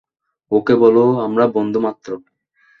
ওকে বলো আমরা বন্ধু মাত্র!